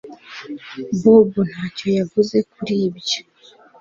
Bobo ntacyo yavuze kuri ibyo